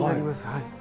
はい。